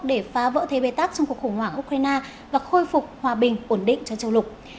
để phá vỡ thế bê tắc trong cuộc khủng hoảng ukraine và khôi phục hòa bình ổn định cho châu lục